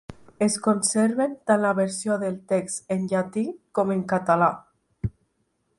Es conserven tant la versió del text en llatí com en català.